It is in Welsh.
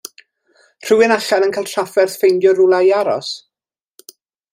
Rhywun allan yn cael trafferth ffeindio rwla i aros?